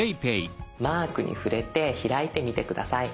マークに触れて開いてみて下さい。